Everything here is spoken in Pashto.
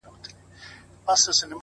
تا ولي په مسکا کي قهر وخندوئ اور ته _